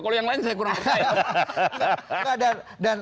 kalau yang lain saya kurang percaya